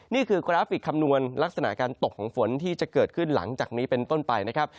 นี่คือกราฟิกคำนวณลักษณะการตกของฝนที่จะเกิดขึ้นหลังจากนี้เป็นต้นไปนะครับ